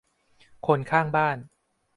คนข้างบ้าน